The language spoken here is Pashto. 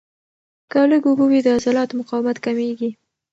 که لږ اوبه وي، د عضلاتو مقاومت کمېږي.